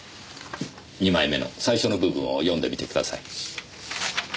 ２枚目の最初の部分を読んでみてください。